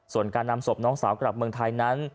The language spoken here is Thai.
ส่วนการนำศพน้องสาวกลับเมืองไทยนั้น